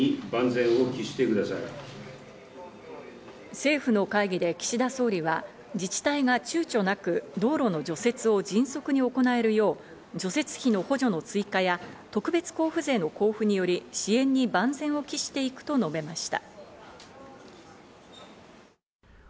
政府の会議で岸田総理は自治体が躊躇なく道路の除雪を迅速に行えるよう、除雪費の補助の追加や特別交付税の交付により支援に万全を期していくと述べました。